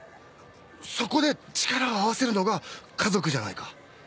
そこで力を合わせるのが家族じゃないか。